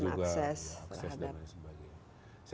sekolah juga akses dan lain sebagainya